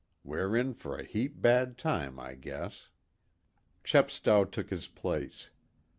We're in for a heap bad time, I guess." Chepstow took his place.